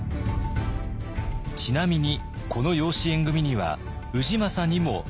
ちなみにこの養子縁組には氏政にもメリットがありました。